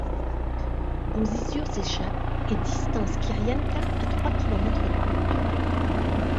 Bosisio s'échappe et distance Kyrienka à trois kilomètres du but.